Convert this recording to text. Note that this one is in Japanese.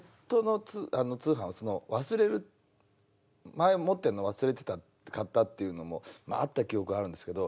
前持ってるのを忘れてて買ったっていうのもまああった記憶あるんですけど。